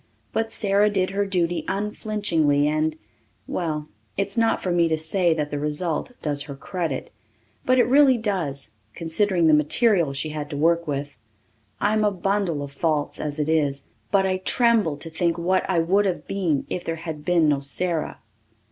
But Sara did her duty unflinchingly and well, it's not for me to say that the result does her credit. But it really does, considering the material she had to work with. I'm a bundle of faults as it is, but I tremble to think what I would have been if there had been no Sara.